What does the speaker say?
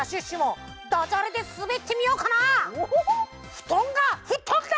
ふとんがふっとんだ！